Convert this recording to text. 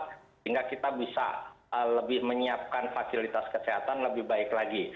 sehingga kita bisa lebih menyiapkan fasilitas kesehatan lebih baik lagi